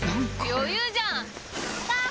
余裕じゃん⁉ゴー！